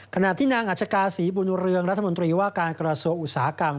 ขณะที่นางอัชกาศรีบุญเรืองรัฐมนตรีว่าการกระทรวงอุตสาหกรรม